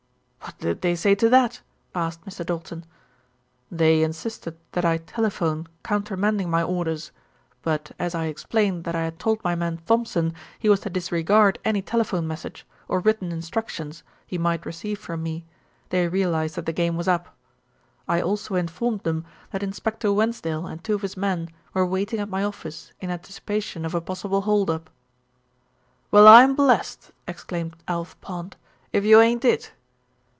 "What did they say to that?" asked Mr. Doulton. "They insisted that I telephone countermanding my orders; but as I explained that I had told my man Thompson he was to disregard any telephone message, or written instructions, he might receive from me, they realised that the game was up. I also informed them that Inspector Wensdale and two of his men were waiting at my office in anticipation of a possible hold up." "Well, I'm blessed," exclaimed Alf Pond. "If you ain't it."